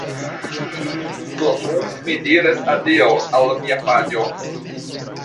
Do nun mi diras adiaŭ al mia panjo